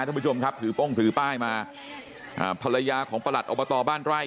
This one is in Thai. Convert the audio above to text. ท่านผู้ชมครับถือโป้งถือป้ายมาอ่าภรรยาของประหลัดอบตบ้านไร่